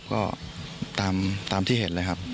ก็ตามที่เห็นเลยครับ